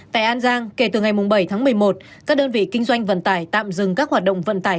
tại an giang kể từ ngày bảy tháng một mươi một các đơn vị kinh doanh vận tải tạm dừng các hoạt động vận tải